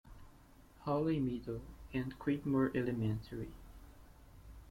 Hawley Middle, and Creedmoor Elementary.